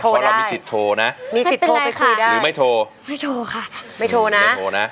เพราะเรามีสิทธิ์โทรนะไม่เป็นไรค่ะหรือไม่โทรไม่โทรค่ะไม่โทรนะ